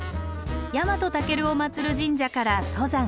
ヤマトタケルを祀る神社から登山開始。